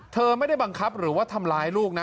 เธอไม่ได้บังคับหรือว่าทำร้ายลูกนะ